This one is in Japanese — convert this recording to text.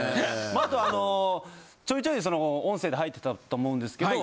あとあのちょいちょい音声で入ってたと思うんですけど。